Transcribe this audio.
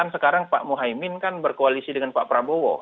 sekarang pak muhaymin kan berkoalisi dengan pak prabowo